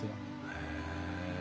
へえ。